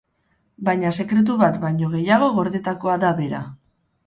Baina sekretu bat baino gehiago gordetakoa da bera.